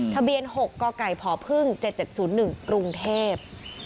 ทะเบียน๖กไก่พพึ่ง๗๗๐๑กรุงเทพฯ